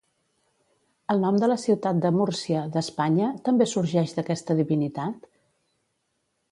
El nom de la ciutat de Múrcia, d'Espanya, també sorgeix d'aquesta divinitat?